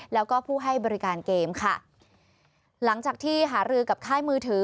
แล้วก็ผู้ให้บริการเกมค่ะหลังจากที่หารือกับค่ายมือถือ